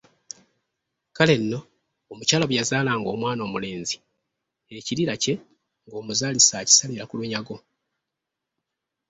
Kale nno, omukyala bwe yazaalanga omwana omulenzi ekirira kye ng’omuzaalisa akisalira ku lunyago.